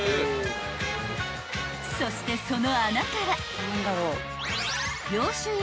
［そしてその穴から］